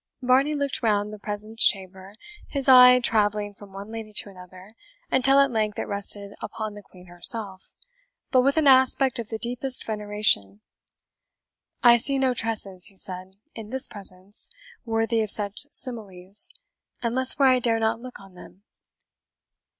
Varney looked round the presence chamber, his eye travelling from one lady to another, until at length it rested upon the Queen herself, but with an aspect of the deepest veneration. "I see no tresses," he said, "in this presence, worthy of such similies, unless where I dare not look on them."